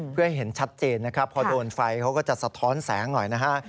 เพื่อให้เห็นชัดเจนนะครับพอโดนไฟเขาก็จะสะท้อนแสงหน่อยนะฮะ